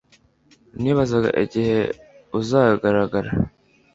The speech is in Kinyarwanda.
Nibazaga igihe uzagaragara